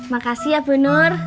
makasih ya bu nur